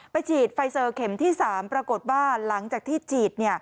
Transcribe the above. ฉีดไฟเซอร์เข็มที่๓ปรากฏว่าหลังจากที่ฉีด